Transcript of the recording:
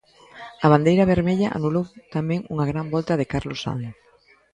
A bandeira vermella anulou tamén unha gran volta de Carlos Sainz.